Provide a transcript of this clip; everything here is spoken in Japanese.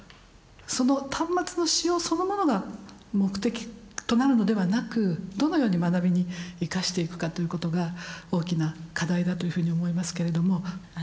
その端末の使用そのものが目的となるのではなくどのように学びに生かしていくかということが大きな課題だというふうに思いますけれども。